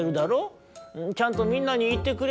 ちゃんとみんなにいってくれたかい？